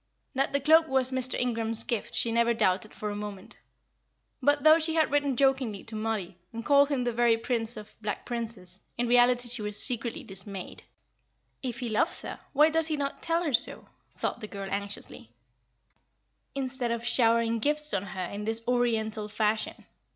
That the cloak was Mr. Ingram's gift she never doubted for a moment; but though she had written jokingly to Mollie, and called him the very Prince of Black Princes, in reality she was secretly dismayed. "If he loves her, why does he not tell her so?" thought the girl, anxiously, "instead of showering gifts on her in this Oriental fashion.